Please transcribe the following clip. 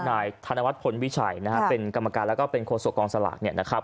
นายธนวัฒนพลวิชัยนะฮะเป็นกรรมการแล้วก็เป็นโฆษกองสลากเนี่ยนะครับ